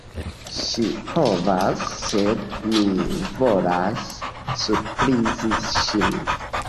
Ŝi povas, sed mi volas surprizi ŝin.